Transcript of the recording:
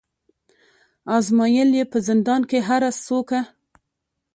آزمېیل یې په زندان کي هره څوکه